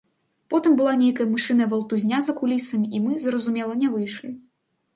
Потым была нейкая мышыная валтузня за кулісамі, і мы, зразумела, не выйшлі.